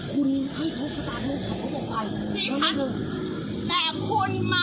หรืออะไรไม่ไปก่อนนะ